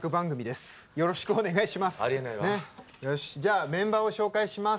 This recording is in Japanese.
じゃあメンバーを紹介します。